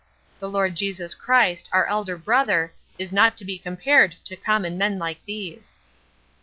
The Lord Jesus Christ, our Elder Brother, is not to be compared to common men like these."